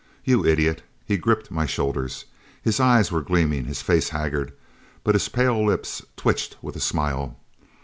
"You idiot!" He gripped my shoulders. His eyes were gleaming, his face haggard, but his pale lips twitched with a smile.